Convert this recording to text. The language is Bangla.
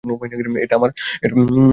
এটা আমার কল্পনা!